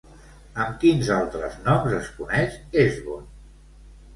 Amb quins altres noms es coneix Hesbon?